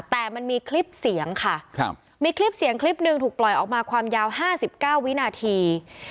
แต่มันมีคลิปเสียงค่ะมีคลิปเสียงคลิปหนึ่งถูกปล่อยออกมาความยาว๕๙วินาที